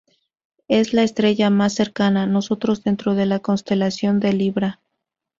Es la estrella más cercana nosotros dentro de la constelación de Libra.